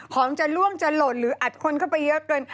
ของจะล่วงจะหล่นหรืออัดคนเข้าไปเยอะเกิน